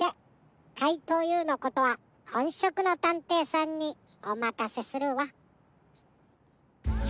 かいとうＵのことはほんしょくのたんていさんにおまかせするわ。